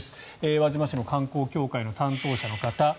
輪島市の観光協会の担当者の方。